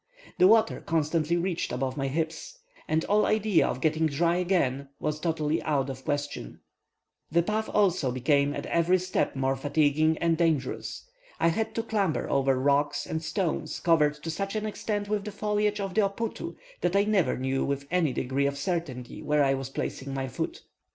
The water constantly reached above my hips, and all idea of getting dry again was totally out of the question. The path also became at every step more fatiguing and dangerous. I had to clamber over rocks and stones covered to such an extent with the foliage of the oputu that I never knew with any degree of certainty where I was placing my foot.